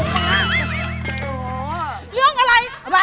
เรื่องอะไร